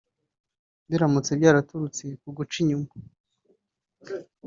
Biramutse byaraturutse ku kuguca inyuma